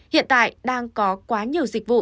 hiện tại đang có quá nhiều dịch vụ